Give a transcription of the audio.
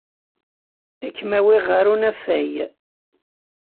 Ad kem-awiɣ ɣer unafag.